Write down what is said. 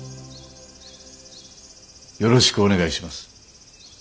よろしくお願いします。